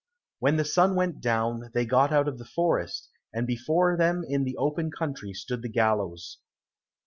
When the sun went down, they got out of the forest, and before them in the open country stood the gallows.